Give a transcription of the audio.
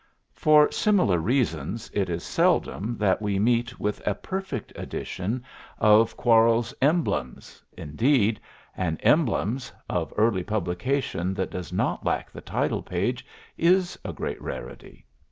For similar reasons it is seldom that we meet with a perfect edition of Quarles' "Emblems"; indeed, an "Emblems" of early publication that does not lack the title page is a great rarity.